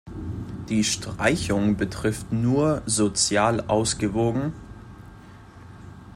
Die Streichung betrifft nur "sozial ausgewogen" ?